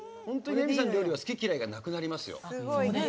レミさんの料理好き嫌いなくなりますよ。